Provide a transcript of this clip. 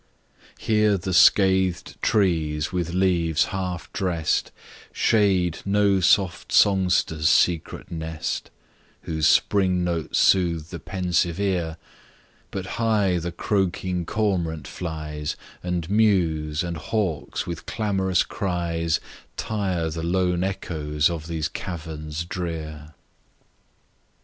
Here the scathed trees with leaves half dress'd, Shade no soft songster's secret nest, Whose spring notes soothe the pensive ear; But high the croaking cormorant flies, And mews and hawks with clamorous cries Tire the lone echoes of these caverns drear.